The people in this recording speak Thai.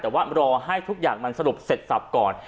แต่ว่ารอให้ทุกอย่างมันสรุปเสร็จสับก่อน